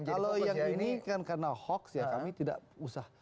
kalau yang ini kan karena hoax ya kami tidak usah